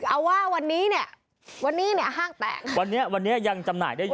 เอาว่าวันนี้เนี่ยห้างแต่งวันนี้ยังจำหน่ายได้อยู่